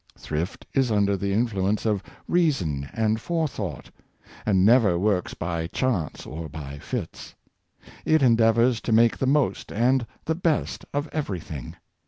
Thrift is under the in fluence of reason and forethought, and never works by chance or by fits. It endeavors to make the most and the best of every thing.